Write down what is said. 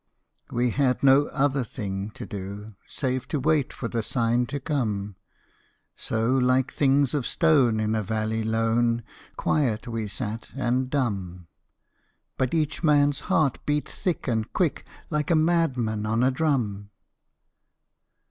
We had no other thing to do, Save to wait for the sign to come: So, like things of stone in a valley lone, Quiet we sat and dumb: But each manâs heart beat thick and quick, Like a madman on a drum!